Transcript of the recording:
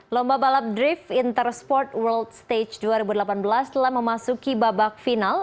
lomba balap drift intersport world stage dua ribu delapan belas telah memasuki babak final